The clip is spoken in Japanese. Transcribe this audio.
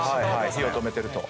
火を止めてると。